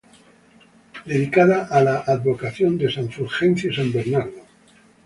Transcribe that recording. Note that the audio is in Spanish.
Dedicada a la advocación de San Fulgencio y San Bernardo.